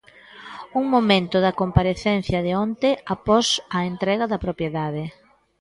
Un momento da comparecencia de onte após a entrega da propiedade.